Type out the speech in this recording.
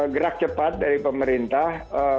gerak cepat dari pemerintah